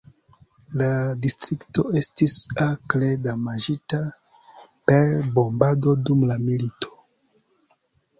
La distrikto estis akre damaĝita per bombado dum la milito.